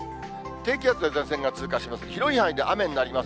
低気圧や前線が通過します。